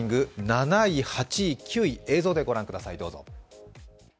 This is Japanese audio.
７位、８位、９位、映像で御覧ください。